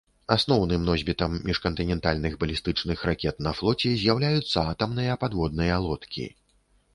Асноўным носьбітам міжкантынентальных балістычных ракет на флоце з'яўляюцца атамныя падводныя лодкі.